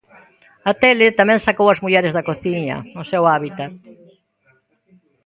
A tele tamén sacou as mulleres da cociña, o seu hábitat.